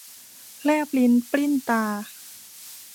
แลบลิ้นปลิ้นตา